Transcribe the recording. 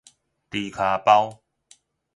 豬跤包